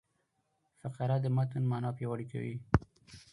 فقره د متن مانا پیاوړې کوي.